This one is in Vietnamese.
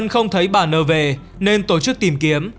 không thấy bà n về nên tổ chức tìm kiếm